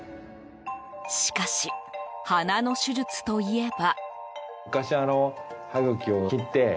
しかし鼻の手術といえば。